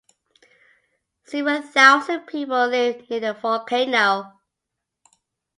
Several thousand people live near the volcano.